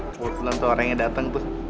gue belum tau orangnya dateng tuh